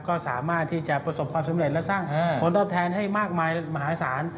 ก็สามารถที่จะประสบความสำเร็จและสร้างผลตอบแทนให้มากมายมหาศาล